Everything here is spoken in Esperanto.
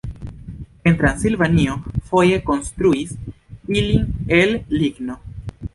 En Transilvanio foje konstruis ilin el ligno.